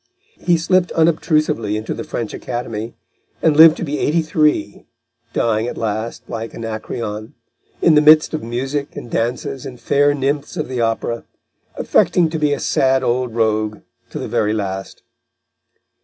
He slipped unobtrusively into the French Academy, and lived to be eighty three, dying at last, like Anacreon, in the midst of music and dances and fair nymphs of the Opera, affecting to be a sad old rogue to the very last.